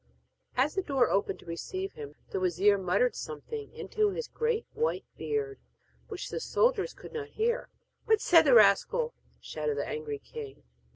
As the door opened to receive him, the wazir muttered something into his great white beard which the soldiers could not hear. 'What said the rascal?' shouted the angry king.